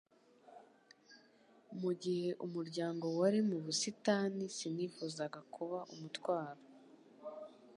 mu gihe umuryango wari mu busitani Sinifuzaga kuba umutwaro